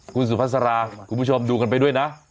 คุณสุภาษาราคุณผู้ชมดูกันไปด้วยนะ